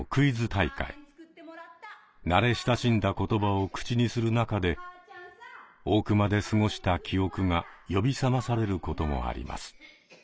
慣れ親しんだ言葉を口にする中で大熊で過ごした記憶が呼び覚まされることもあります。